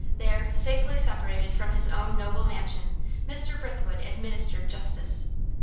There, safely separated from his own noble mansion, Mr. Brithwood administered justice.